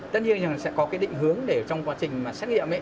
tất nhiên là sẽ có cái định hướng để trong quá trình xét nghiệm